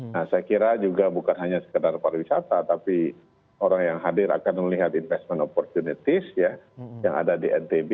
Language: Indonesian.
nah saya kira juga bukan hanya sekedar pariwisata tapi orang yang hadir akan melihat investment opportunity yang ada di ntb